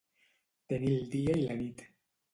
Tenir el dia i la nit.